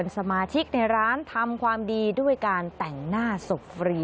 สมาชิกในร้านทำความดีด้วยการแต่งหน้าศพฟรี